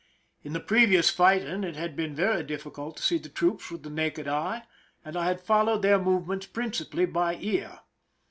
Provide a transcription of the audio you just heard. In the previous fighting it had been very difficult to see the troops with the naked eye, and I had followed their movements principally by ear.